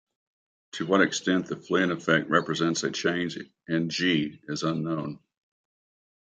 To what extent the Flynn effect represents a change in "g" is unknown.